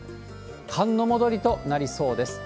寒の戻りとなりそうです。